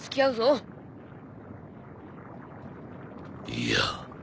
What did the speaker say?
いや。